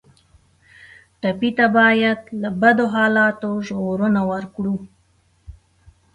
ټپي ته باید له بدو حالاتو ژغورنه ورکړو.